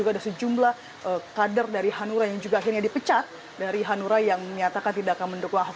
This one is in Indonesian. ada sejumlah kader dari hanura yang juga akhirnya dipecat dari hanura yang menyatakan tidak akan mendukung ahok